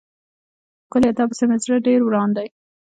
ښکليه تا پسې مې زړه ډير وران دی.